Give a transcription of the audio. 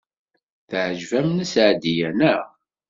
Teɛjeb-am Nna Seɛdiya, naɣ?